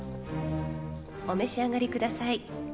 お召し上がりください。